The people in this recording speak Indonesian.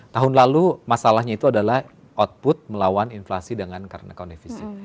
tahun lalu masalahnya itu adalah output melawan inflasi dengan karena account deficit